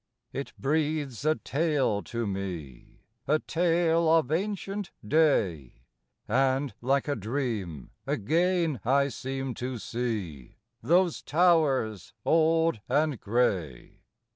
It breathes a tale to me, A tale of ancient day; And, like a dream, again I seem to see Those towers old and gray.